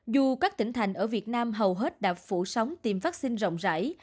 dù các tỉnh thành ở việt nam hầu hết đã phủ sóng tiêm vaccine rộng rãi